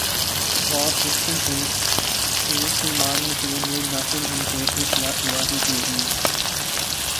spot fixing case Salman Nasir نے ناصر جمشید کیخلاف گواہی دے دی